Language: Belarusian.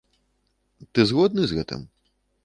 Ты згодны з гэтым?